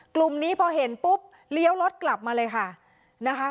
กลุ่มนี้พอเห็นปุ๊บเลี้ยวรถกลับมาเลยค่ะนะคะ